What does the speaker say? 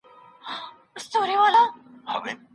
ايا د مخ لوڅول مباح عمل دی؟